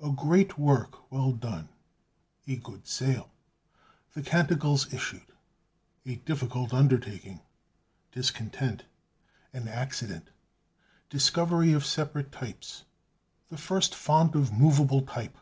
A Great Work well done. A Good Sale. The Canticles issued. A Difficult Undertaking. Discontent. An Accident. Discovery of Separate Types. The First Font of Movable Type.